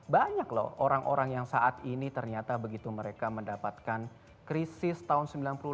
banyak lho orang orang yang saat ini ternyata begitu mereka mendapatkan krisis tahun sembilan puluh delapan